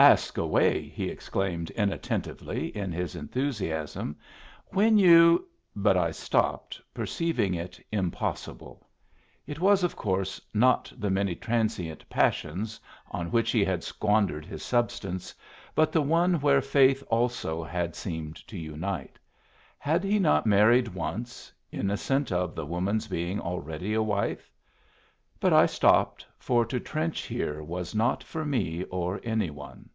"Ask away!" he exclaimed, inattentively, in his enthusiasm. "When you " but I stopped, perceiving it impossible. It was, of course, not the many transient passions on which he had squandered his substance, but the one where faith also had seemed to unite. Had he not married once, innocent of the woman's being already a wife? But I stopped, for to trench here was not for me or any one.